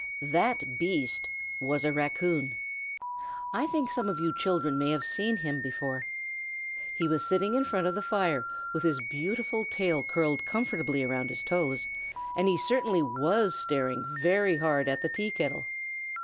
"That beast" was a raccoon. I think some of you children may have seen him before. He was sitting in front of the fire, with his beautiful tail curled comfortably about his toes; and he certainly was staring very hard at the tea kettle.